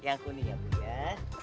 yang kuning ya bu ya